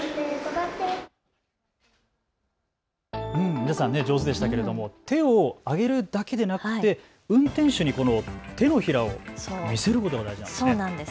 皆さん上手でしたけれども手を上げるだけでなくて運転手に手のひらを見せることが大事なんですね。